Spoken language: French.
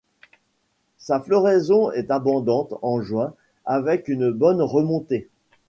Sa floraison est abondante en juin avec une bonne remontée.